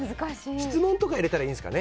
質問とかを入れたらいいんですかね。